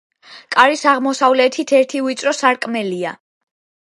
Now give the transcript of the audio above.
კარის აღმოსავლეთით ერთი ვიწრო სარკმელია.